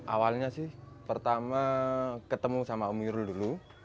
awalnya sih pertama ketemu sama om irul dulu